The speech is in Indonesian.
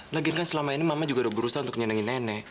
lagi kan selama ini mama juga udah berusaha untuk nyenengin nenek